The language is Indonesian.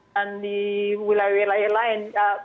dan di wilayah wilayah lain